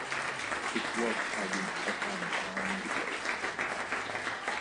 His works have been performed around the globe.